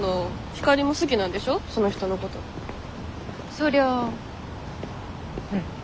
そりゃあうん。